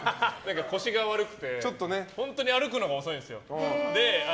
腰が悪くて本当に歩くのが遅いんですよ。